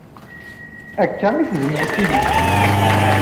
Akka kan, i tezmer ad tili.